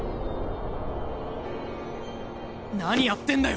何やってんだよ